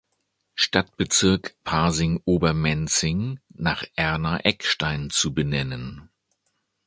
Stadtbezirk Pasing-Obermenzing nach Erna Eckstein zu benennen.